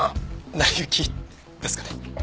成り行きですかね。